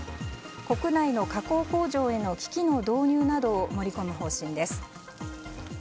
国内の加工工場への機器の導入などを盛り込む方針です。